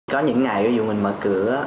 có những ngày ví dụ mình mở cửa